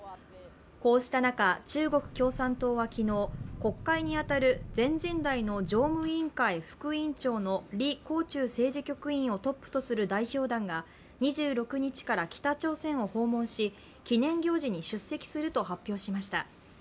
こうした中、中国共産党は昨日、国会に当たる全人代の常務委員会副委員長の李鴻忠政治局員をトップとする代表団が２６日から北朝鮮を訪問し記念行事に出席すると発表しました。